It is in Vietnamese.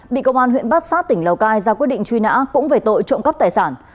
bị công an huyện bát sát tỉnh lào cai ra quyết định truy nã cũng về tội trộm cắp tài sản